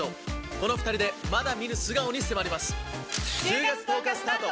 この２人でまだ見ぬ素顔に迫ります。